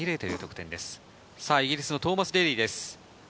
イギリスのトーマス・デーリーです。